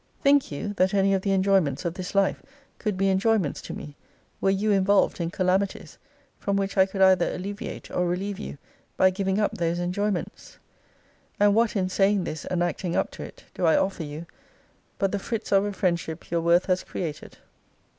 Think you, that any of the enjoyments of this life could be enjoyments to me, were you involved in calamities, from which I could either alleviate or relieve you, by giving up those enjoyments? And what in saying this, and acting up to it, do I offer you, but the frits of a friendship your worth has created?